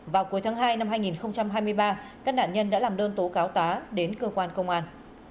vào cuối tháng hai năm hai nghìn hai mươi ba các nạn nhân đã làm đơn tố cáo tá đến cơ quan công an